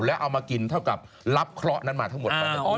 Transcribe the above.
แล้วเอามากินเท่ากับรับเคราะห์นั้นมาทั้งหมด